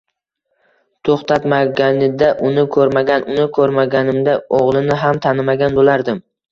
Toʻxtatmaganida uni koʻrmagan, uni koʻrmaganimda oʻgʻlini ham tanimagan bo'lardim.